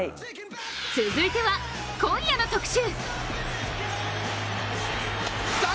続いては、今夜の特集。